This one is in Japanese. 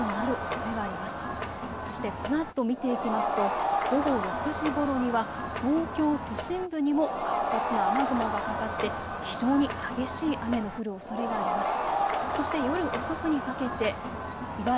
そしてこのあと見ていきますと午後６時ごろには東京都心部にも活発な雨雲がかかって非常に激しい雨の降るおそれがあります。